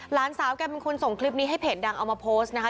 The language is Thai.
หลานสาวแกเป็นคนส่งคลิปนี้ให้เพจดังเอามาโพสต์นะคะ